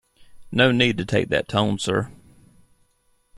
No need to take that tone sir.